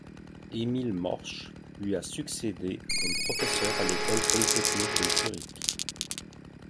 Emil Mörsch lui a succédé comme professeur à l'École polytechnique de Zurich.